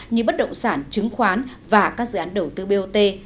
như bất động sản chứng khoán và các dự án đầu tư bot